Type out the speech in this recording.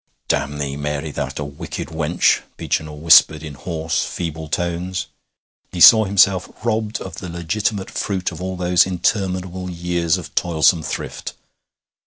'Damn thee, Mary! thou'rt a wicked wench,' Beechinor whispered in hoarse, feeble tones. He saw himself robbed of the legitimate fruit of all those interminable years of toilsome thrift.